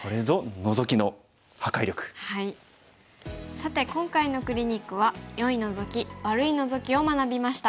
さて今回のクリニックは良いノゾキ悪いノゾキを学びました。